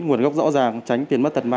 nguồn gốc rõ ràng tránh tiền mất tật ma